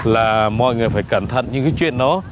là mọi người phải cẩn thận những cái chuyện đó